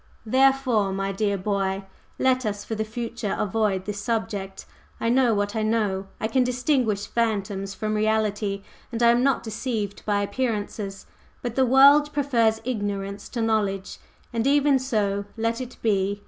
"Therefore, my dear boy, let us for the future avoid this subject. I know what I know; I can distinguish phantoms from reality, and I am not deceived by appearances. But the world prefers ignorance to knowledge, and even so let it be.